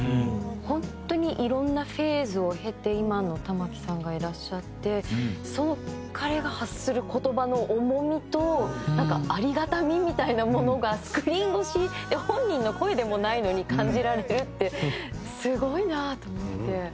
本当にいろんなフェーズを経て今の玉置さんがいらっしゃってその彼が発する言葉の重みとなんかありがたみみたいなものがスクリーン越しで本人の声でもないのに感じられるってすごいなと思って。